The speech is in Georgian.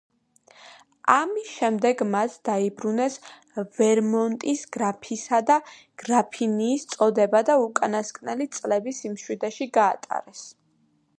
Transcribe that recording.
ამის შემდეგ მათ დაიბრუნეს ვერმონტის გრაფისა და გრაფინიის წოდება და უკანასკნელი წლები სიმშვიდეში გაატარეს.